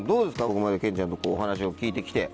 ここまでケンちゃんとお話を聞いて来て。